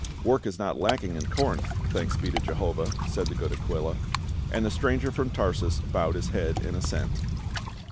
" Work is not lacking in Corinth, thanks be to Jehovah !" said the good Aquila. And the stranger from Tarsus bowed his head in assent.